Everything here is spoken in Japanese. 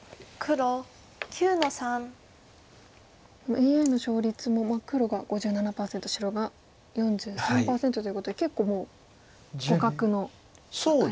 ＡＩの勝率も黒が５７％白が４３％ということで結構もう互角の戦いですね。